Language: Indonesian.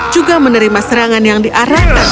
juga menerima serangan yang diarahkan